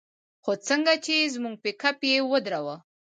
خو څنگه چې زموږ پېکپ يې ودراوه.